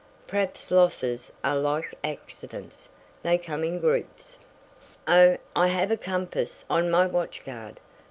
"Perhaps losses are like accidents they come in groups." "Oh, I have a compass on my watch guard.